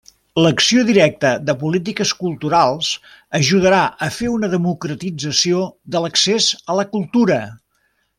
L'acció directa de polítiques culturals ajudarà a fer una democratització de l'accés a la cultura.